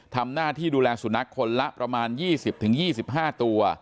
ทำหน้าที่ดูแลสุนัขคนละประมาณยี่สิบถึงยี่สิบห้าตัว